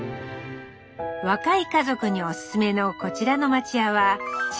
若い家族におすすめのこちらの町家は築